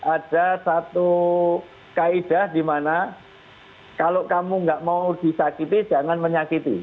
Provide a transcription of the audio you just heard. ada satu kaedah di mana kalau kamu nggak mau disakiti jangan menyakiti